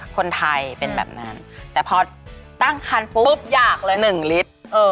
คนไทยเป็นแบบนั้นแต่พอตั้งคันปุ๊บอยากเลย๑ลิตร